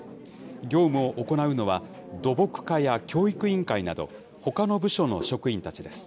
業務を行うのは、土木課や教育委員会など、ほかの部署の職員たちです。